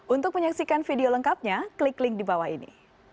untuk menyaksikan video lengkapnya klik link di bawah ini